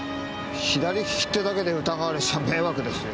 左利きってだけで疑われちゃ迷惑ですよ。